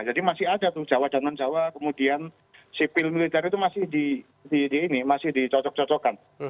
masih ada tuh jawa dan non jawa kemudian sipil militer itu masih dicocok cocokkan